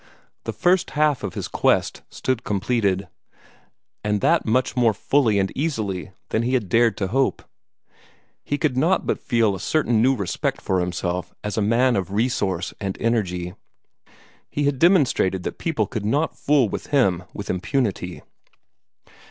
The first half of his quest stood completed and that much more fully and easily than he had dared to hope. He could not but feel a certain new respect for himself as a man of resource and energy. He had demonstrated that people could not fool with him with impunity.